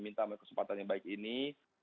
minta kesempatan yang baik ini